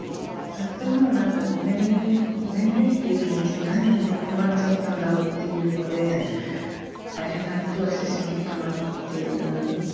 ずっともう何かごめんねという気持ちと何でこうなっちゃったんだろうっていうので大変なことをしてしまったなっていう。